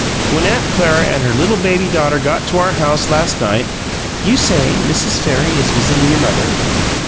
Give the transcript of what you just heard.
When Aunt Clara and her little baby daughter got to our house last night " "You say Mrs. Farry is visiting your mother?"